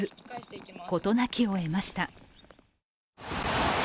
事なきを得ました。